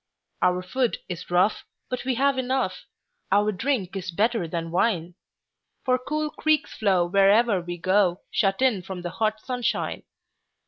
Our food is rough, but we have enough; Our drink is better than wine:For cool creeks flow wherever we go, Shut in from the hot sunshine.